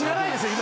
今。